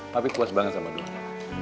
papi puas banget sama donny